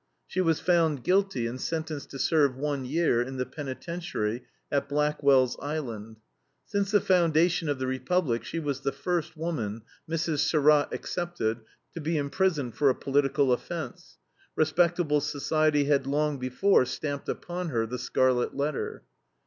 She was found guilty and sentenced to serve one year in the penitentiary at Blackwell's Island. Since the foundation of the Republic she was the first woman Mrs. Surratt excepted to be imprisoned for a political offense. Respectable society had long before stamped upon her the Scarlet Letter.